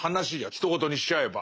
ひと事にしちゃえば。